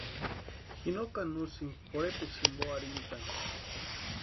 Ji no kani úsïnka pʼorhepecha jimpo arhintʼani.